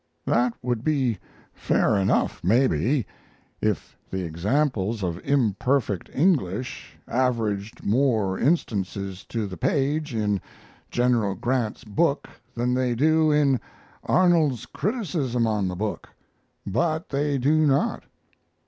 That would be fair enough, maybe, if the examples of imperfect English averaged more instances to the page in General Grant's book than they do in Arnold's criticism on the book but they do not.